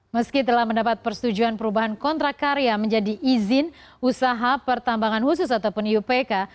meski telah mendapat persetujuan perubahan kontrak karya menjadi izin usaha pertambangan khusus ataupun iupk